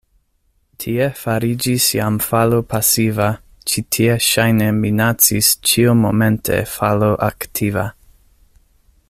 Tie fariĝis jam falo pasiva, ĉi tie ŝajne minacis ĉiumomente falo aktiva.